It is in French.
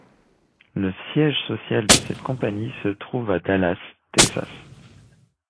Le siège social de cette compagnie se trouve à Dallas, Texas.